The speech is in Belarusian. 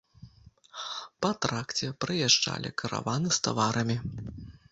Па тракце праязджалі караваны з таварамі.